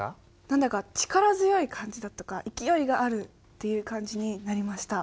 何だか力強い感じだとか勢いがあるっていう感じになりました。